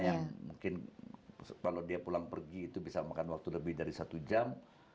yang mungkin kalau dia pulang pergi itu bisa makan waktu lebih dari satu jam